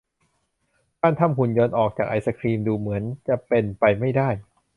การทำหุ่นยนต์ออกจากไอศกรีมดูเหมือนจะเป็นไปไม่ได้